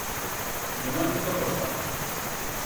No m'ha dito cosa.